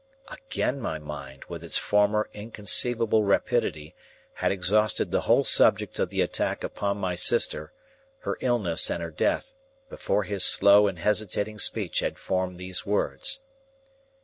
Again my mind, with its former inconceivable rapidity, had exhausted the whole subject of the attack upon my sister, her illness, and her death, before his slow and hesitating speech had formed these words.